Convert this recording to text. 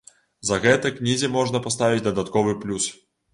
За гэта кнізе можна паставіць дадатковы плюс.